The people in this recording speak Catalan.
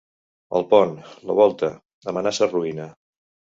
El pont, la volta, amenaça ruïna.